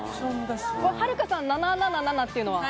はるかさん、７７７っていうのは？